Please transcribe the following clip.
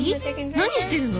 何してるの？